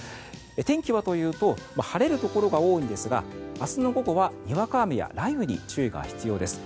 天気はというと晴れるところが多いんですが明日の午後は、にわか雨や雷雨に注意が必要です。